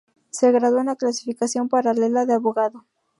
Se graduó en la clasificación paralela de abogado.